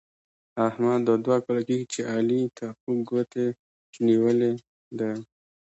احمد دا دوه کاله کېږي چې علي تر خوږ ګوتې نيولې دی.